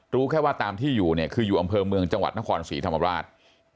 รู้แค่ว่าตามที่อยู่เนี่ยคืออยู่อำเภอเมืองจังหวัดนครศรีธรรมราช